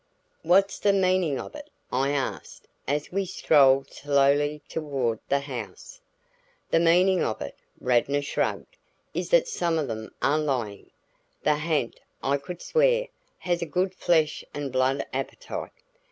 "What's the meaning of it?" I asked as we strolled slowly toward the house. "The meaning of it," Radnor shrugged, "is that some of them are lying. The ha'nt, I could swear, has a good flesh and blood appetite.